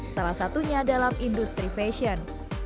salah satunya dalam industri fashion